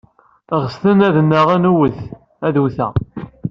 Ɣetsen ad nnaɣen wet, ad wteɣ.